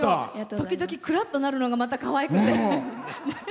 時々、くらっとなるのがまたかわいくて。